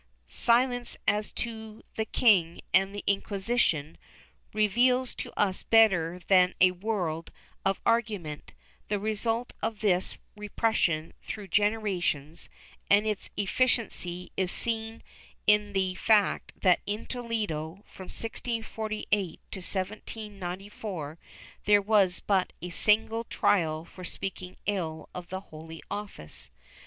— Silence as to the king and the Inquisition — reveals to us better than a world of argument, the result of this repression through generations, and its efficiency is seen in the fact that in Toledo, from 1648 to 1794, there was but a single trial for speaking ill of the Holy Office.